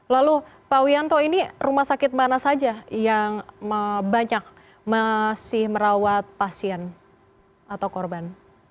lalu pak wianto ini rumah sakit mana saja yang banyak masih merawat pasien atau korban